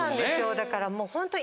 だからもうホントに。